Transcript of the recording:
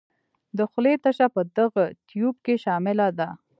د خولې تشه په دغه تیوپ کې شامله ده.